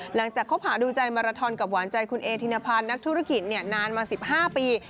คบหาดูใจมาราทอนกับหวานใจคุณเอธินพันธ์นักธุรกิจนานมา๑๕ปี